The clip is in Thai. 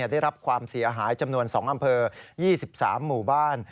ได้รับความเสียหายจำนวน๒อำเภอ๒๓หมู่บ้าน